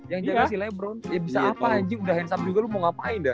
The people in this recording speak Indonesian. yang jaga si lebron ya bisa apa anjing udah hands up juga lu mau ngapain dah